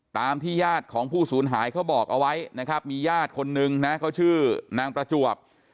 ตามที่ญาติของผู้สูญหายเขาบอกเอาไว้นะครับมีญาติคนนึงนะเขาชื่อนางประจวบ